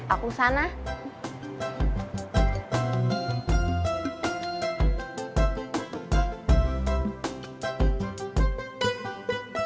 aku sih gak mau pergi